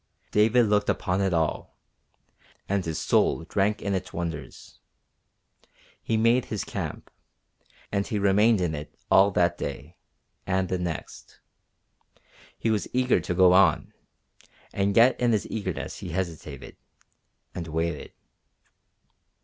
David looked upon it all, and his soul drank in its wonders. He made his camp, and he remained in it all that day, and the next. He was eager to go on, and yet in his eagerness he hesitated, and waited.